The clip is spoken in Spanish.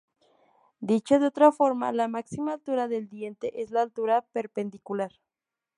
Dicho de otra forma, la máxima altura del diente es la altura perpendicular.